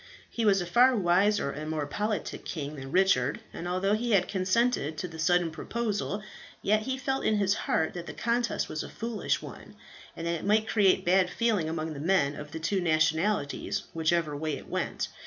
He was a far wiser and more politic king than Richard; and although he had consented to the sudden proposal, yet he felt in his heart that the contest was a foolish one, and that it might create bad feeling among the men of the two nationalities whichever way it went.